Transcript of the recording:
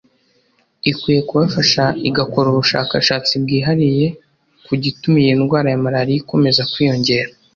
ikwiye kubafasha igakora ubushakashatsi bwihariye ku gituma iyi ndwara ya Malariya akomeza kwiyongera